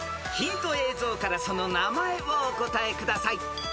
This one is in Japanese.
［ヒント映像からその名前をお答えください］